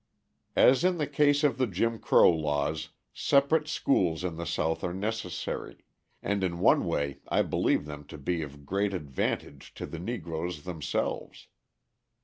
As in the case of the Jim Crow laws, separate schools in the South are necessary, and in one way I believe them to be of great advantage to the Negroes themselves.